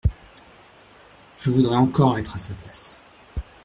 Je voudrais encore être à sa place.